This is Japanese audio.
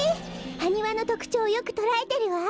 ハニワのとくちょうよくとらえてるわ。